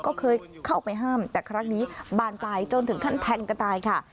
ก็เคยเข้าไปห้ามแต่ครั้งนี้บานปลายจนถึงขั้นแทงกันตายค่ะ